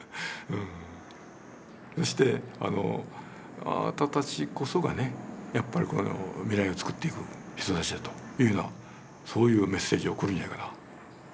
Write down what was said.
そしてあなたたちこそがね未来をつくっていく人たちだというふうなそういうメッセージを送るんじゃないかな。